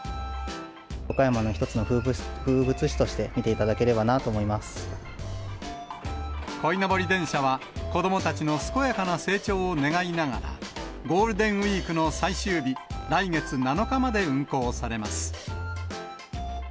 岡山の一つの風物詩として見こいのぼり電車は、子どもたちの健やかな成長を願いながら、ゴールデンウィークの最終日、来月７日まで運行されます。